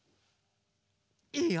いいよ！